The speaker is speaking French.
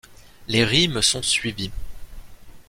Les rimes sont suivies.